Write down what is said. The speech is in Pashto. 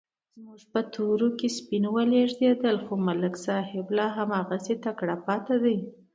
زموږ په تورو کې سپین ولږېدل، خو ملک صاحب لا هماغسې تکړه پاتې دی.